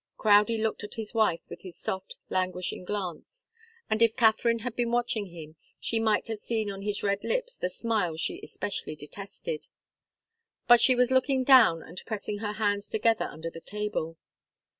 Crowdie looked at his wife with his soft, languishing glance, and if Katharine had been watching him, she might have seen on his red lips the smile she especially detested. But she was looking down and pressing her hands together under the table.